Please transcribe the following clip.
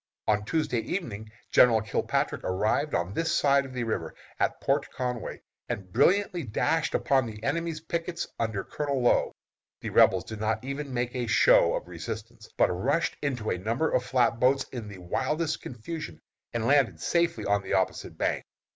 "On Tuesday evening General Kilpatrick arrived on this side the river, at Port Conway, and brilliantly dashed upon the enemy's pickets under Colonel Low. The Rebels did not even make a show of resistance, but rushed into a number of flat boats in the wildest confusion, and landed safely on the opposite bank.